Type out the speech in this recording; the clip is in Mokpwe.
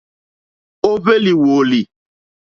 Ó hwélì wòòlì.